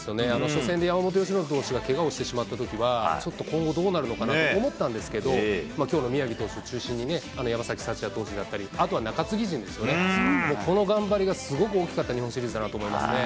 初戦で山本由伸投手がけがをしてしまったときは、ちょっと今後どうなるのかなと思ったんですけど、きょうの宮城投手を中心にね、あの山崎福也投手だったり、あとは中継ぎ陣ですよね、もうこの頑張りがすごく大きかった日本シリーズだなと思いますね。